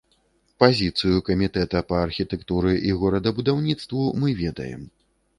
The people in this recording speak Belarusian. Пазіцыю камітэта па архітэктуры і горадабудаўніцтву мы ведаем.